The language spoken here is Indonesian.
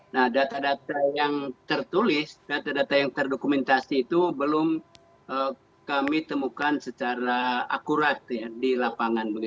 nah data data yang tertulis data data yang terdokumentasi itu belum kami temukan secara akurat di lapangan